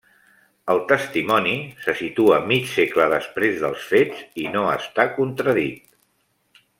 El testimoni se situa mig segle després dels fets i no està contradit.